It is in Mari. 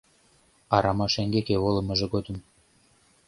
Арама шеҥгеке волымыжо годым